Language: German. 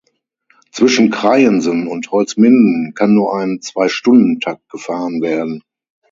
Zwischen Kreiensen und Holzminden kann nur ein Zweistundentakt gefahren werden.